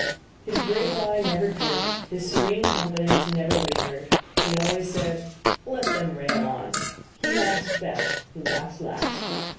His brave eye never drooped, his serene confidence never wavered. He always said: "Let them rail on; he laughs best who laughs last."